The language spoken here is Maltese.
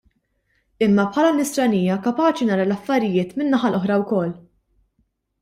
Imma bħala Nisranija kapaċi nara l-affarijiet min-naħa l-oħra wkoll.